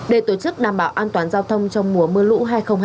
để tổ chức đảm bảo an toàn giao thông trong mùa mưa lũ hai nghìn hai mươi bốn